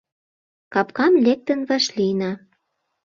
Капкам лектын вашлийна.